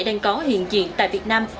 đang có hiện diện tại việt nam